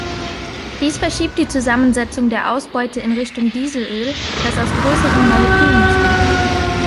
Dies verschiebt die Zusammensetzung der Ausbeute in Richtung Dieselöl, das aus größeren Molekülen besteht.